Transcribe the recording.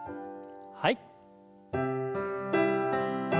はい。